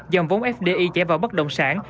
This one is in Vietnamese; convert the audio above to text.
dòng vốn fdi chảy vào bất động sản